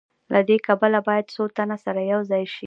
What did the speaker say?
له دې کبله باید څو تنه سره یوځای شي